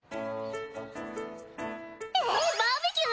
えっバーベキュー？